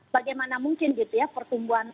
bagaimana mungkin gitu ya pertumbuhan